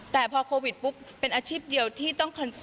แต่พอโควิดปุ๊บเป็นอาชีพเดียวที่ต้อง